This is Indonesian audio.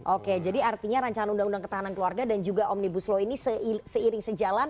oke jadi artinya rancangan undang undang ketahanan keluarga dan juga omnibus law ini seiring sejalan